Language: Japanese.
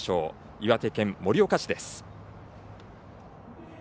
岩手県盛岡市です。